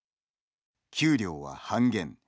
給料は半減。